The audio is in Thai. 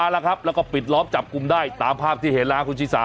แล้วก็ปิดล้อมจับกลุ่มได้ตามภาพที่เห็นแล้วคุณศีรษะ